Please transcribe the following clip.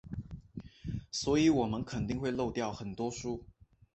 所以我们肯定会漏掉很多书。